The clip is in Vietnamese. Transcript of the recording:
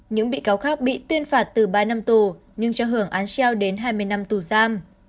những bị cáo khác bị tuyên phạt từ ba năm tù nhưng cho hưởng án treo đến hai mươi năm tù giam